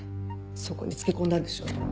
そこに付け込んだんでしょ？